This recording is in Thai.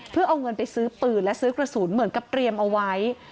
เพื่อเอาเงินไปซื้อปืนและซื้อกระสุนเหมือนกับเตรียมเอาไว้